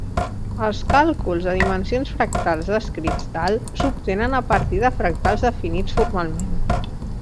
Els càlculs de dimensions fractals descrits dalt s'obtenen a partir de fractals definits formalment.